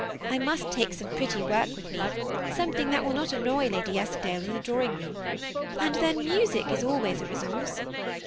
I must take some pretty work with me, something that will not annoy Lady Eskdale in the drawing room ; and then music is always a resource.